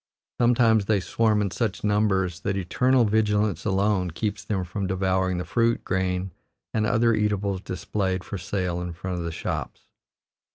Sometimes they swarm in such numbers that eternal vigilance alone keeps them from devouring the fruit, grain, and other eatables displayed for sale in front of the shops.